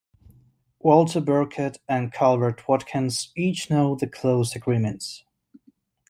Walter Burkert and Calvert Watkins each note the close agreements.